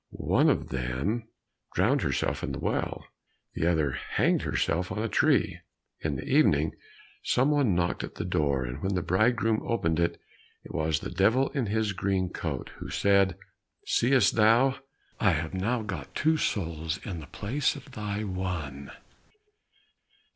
One of them drowned herself in the well, the other hanged herself on a tree. In the evening, some one knocked at the door, and when the bridegroom opened it, it was the Devil in his green coat, who said, "Seest thou, I have now got two souls in the place of thy one!"